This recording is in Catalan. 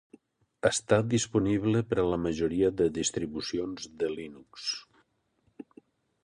Està disponible per a la majoria de distribucions de Linux.